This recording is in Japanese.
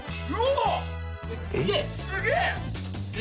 すげえ！